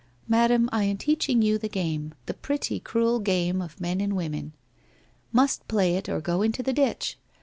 ' Madam, I am teaching you the game, the pretty cruel game of men and women. Must play it, or go into the ditch.